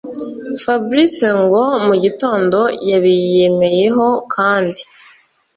fabric ngo mugitondo yabiyemeyeho kandi